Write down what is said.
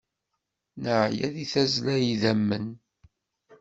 Neya di tazzla n yidammen.